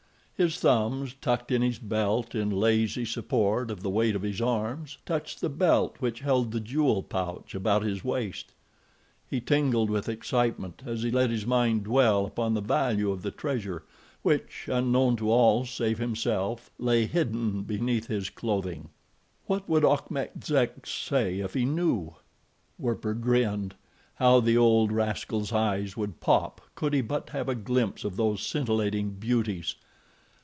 His thumbs, tucked in his belt in lazy support of the weight of his arms, touched the belt which held the jewel pouch about his waist. He tingled with excitement as he let his mind dwell upon the value of the treasure, which, unknown to all save himself, lay hidden beneath his clothing. What would Achmet Zek say, if he knew? Werper grinned. How the old rascal's eyes would pop could he but have a glimpse of those scintillating beauties!